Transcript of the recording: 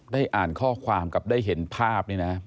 ได้อ่านข้อความกับได้เห็นภาพนี่นะ